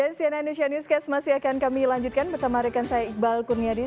dan cnn indonesia newscast masih akan kami lanjutkan bersama rekan saya iqbal kurniadi